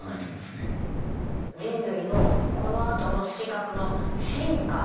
人類のこのあとの色覚の進化